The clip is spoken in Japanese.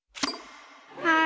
はい。